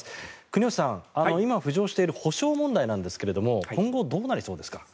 国吉さん、今浮上している補償問題なんですが今後、どうなりそうですか？